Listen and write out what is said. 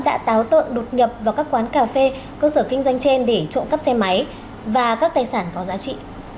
đã táo tợn đột nhập vào các quán cà phê cơ sở kinh doanh trên để trộm cắp xe máy và các tài sản có giá trị